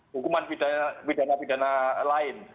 hukuman pidana pidana lain